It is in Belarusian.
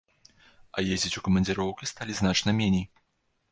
А ездзіць у камандзіроўкі сталі значна меней!